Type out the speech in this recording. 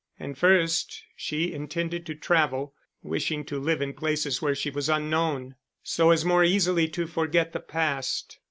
And first she intended to travel, wishing to live in places where she was unknown, so as more easily to forget the past.